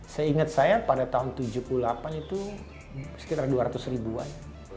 saya ingat saya pada tahun tujuh puluh delapan itu sekitar dua ratus ribuan